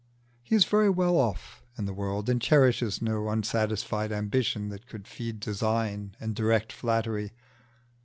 He is very well off in the world, and cherishes no unsatisfied ambition that could feed design and direct flattery.